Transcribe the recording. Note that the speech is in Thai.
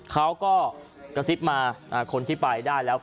เขาก็กระซิบมาคนที่ไปได้แล้ว